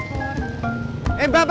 makasih mas pur